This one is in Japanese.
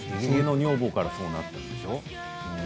「ゲゲゲの女房」からそうだったんでしょう。